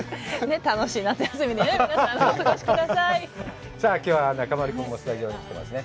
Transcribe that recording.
楽しい夏休みにね皆さんお過ごしくださいさぁ今日は中丸くんもスタジオに来てますね